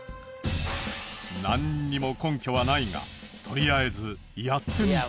なんにも根拠はないがとりあえずやってみた。